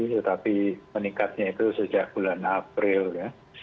tetapi meningkatnya itu sejak bulan april ya